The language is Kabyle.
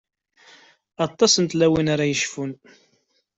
Aṭas n tlawin ara d-yecfun.